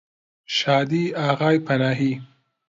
شادی ئاغای پەناهی